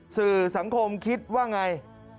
สื่อสังคมคิดว่าไง